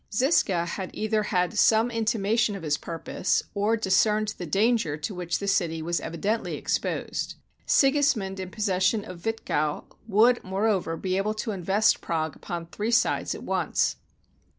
Zisca had either had some intimation of his purpose, or discerned the danger to which the city was evidently exposed. Sigis mund in possession of Witkow would, moreover, be able to invest Prague upon three sides at once.